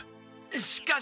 しかし。